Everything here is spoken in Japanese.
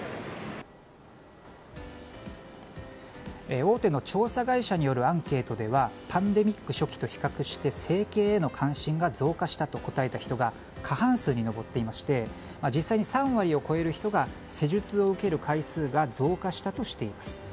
大手の調査会社によるアンケートではパンデミック初期と比較して整形への関心が増加したと答えた人が過半数に上っていまして実際に３割を超える人が施術を受ける回数が増加したとしています。